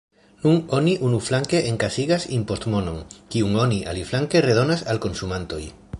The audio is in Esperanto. Nun oni unuflanke enkasigas impostmonon, kiun oni aliflanke redonas al konsumantoj.